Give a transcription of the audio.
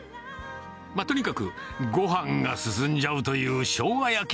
とにかくごはんが進んじゃうというしょうが焼き。